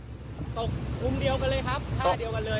ตกมุมเดียวกันเลยครับท่าเดียวกันเลย